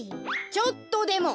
ちょっとでも！